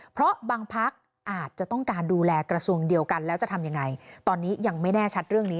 เพราะบางพักอาจจะต้องการดูแลกระทรวงเดียวกันแล้วจะทำยังไงตอนนี้ยังไม่แน่ชัดเรื่องนี้